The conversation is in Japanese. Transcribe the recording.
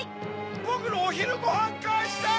ぼくのおひるごはんかえして！